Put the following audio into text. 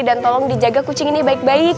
dan tolong dijaga kucing ini baik baik